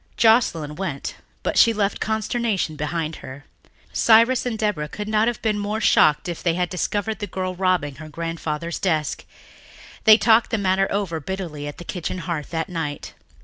Joscelyn went but she left consternation behind her. Cyrus and Deborah could not have been more shocked if they had discovered the girl robbing her grandfather's desk. They talked the matter over bitterly at the kitchen hearth that night.